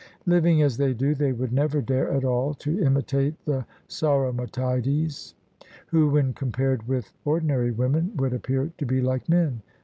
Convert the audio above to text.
Living as they do, they would never dare at all to imitate the Sauromatides, who, when compared with ordinary women, would appear to be like men.